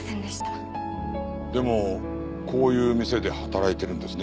でもこういう店で働いているんですね。